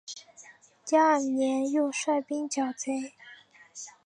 第二年又率兵剿贼。